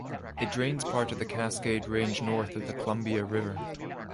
It drains part of the Cascade Range north of the Columbia River.